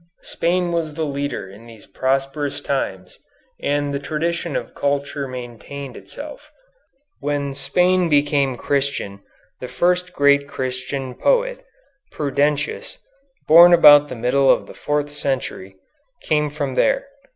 Spain was the leader in these prosperous times, and the tradition of culture maintained itself. When Spain became Christian the first great Christian poet, Prudentius, born about the middle of the fourth century, came from there.